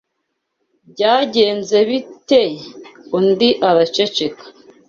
byagenze bite Undi araceceka